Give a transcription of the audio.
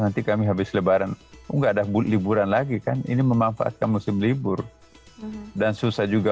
nanti kami habis lebaran enggak ada liburan lagi kan ini memanfaatkan musim libur dan susah juga